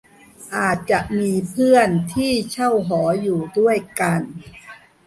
อาจจะมีเพื่อนที่เช่าหออยู่ด้วยกัน